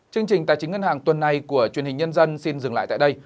chương trình tài chính ngân hàng tuần này của truyền hình nhân dân xin dừng lại tại đây